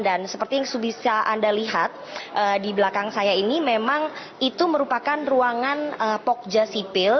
dan seperti yang bisa anda lihat di belakang saya ini memang itu merupakan ruangan pogja sipil